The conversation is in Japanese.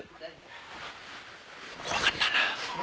怖かったな。